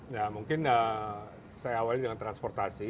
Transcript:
ya mungkin saya awalnya dengan transportasi